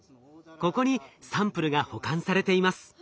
ここにサンプルが保管されています。